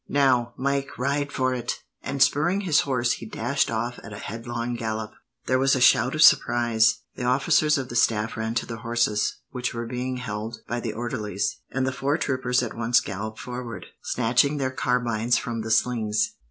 "Now, Mike, ride for it!" and, spurring his horse, he dashed off at a headlong gallop. There was a shout of surprise, the officers of the staff ran to their horses, which were being held by the orderlies, and the four troopers at once galloped forward, snatching their carbines from the slings.